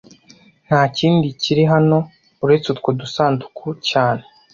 Nta kindi kiri hano uretse utwo dusanduku cyane